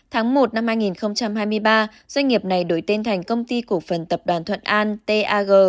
tháng một năm hai nghìn hai mươi ba doanh nghiệp này đổi tên thành công ty cổ phần tập đoàn thuận an tag